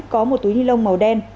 có một túi ni lông màu đen